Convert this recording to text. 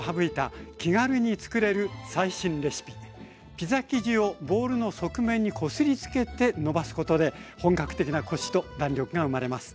ピザ生地をボウルの側面にこすりつけてのばすことで本格的なコシと弾力が生まれます。